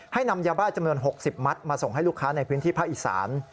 นำยาบ้าจำนวน๖๐มัตต์มาส่งให้ลูกค้าในพื้นที่ภาคอีสาน